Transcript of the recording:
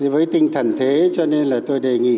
với tinh thần thế cho nên là tôi đề nghị